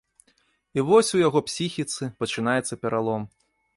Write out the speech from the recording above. І вось у яго псіхіцы пачынаецца пералом.